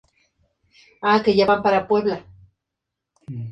Las islas están divididas, geográficamente y administrativamente, en dos grupos.